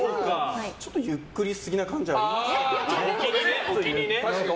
ちょっとゆっくり過ぎな感じがありましたけどね。